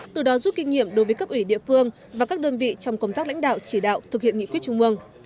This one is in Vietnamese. từ đó rút kinh nghiệm đối với cấp ủy địa phương và các đơn vị trong công tác lãnh đạo chỉ đạo thực hiện nghị quyết trung mương